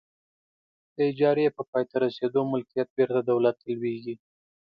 د اجارې په پای ته رسیدو ملکیت بیرته دولت ته لویږي.